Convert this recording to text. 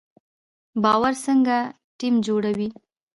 باور څنګه ټیم جوړوي؟